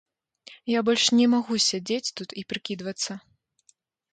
Я больш не магу сядзець тут і прыкідвацца.